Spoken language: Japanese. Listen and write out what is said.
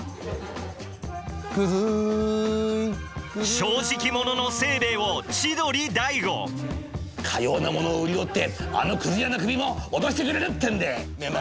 正直者の清兵衛を千鳥大悟「『かようなものを売りおってあのくず屋の首も落としてくれる』ってんで」。